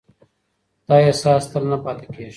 دا احساس تل نه پاتې کېږي.